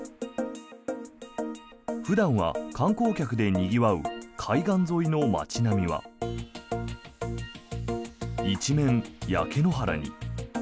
普段は観光客でにぎわう海岸沿いの街並みは一面、焼け野原に。